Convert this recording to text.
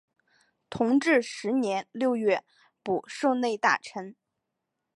同治十年六月补授内大臣。